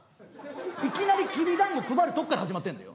いきなりきび団子配るとこから始まってんのよ。